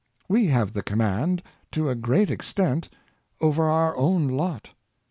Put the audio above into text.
We have the command, to a great extent, over our own lot.